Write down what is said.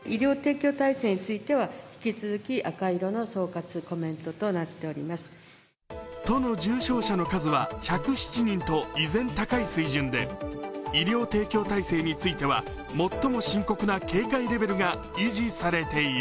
しかし都の重症者の数は１０７人と依然高い水準で医療提供体制については最も深刻な警戒レベルが維持されている。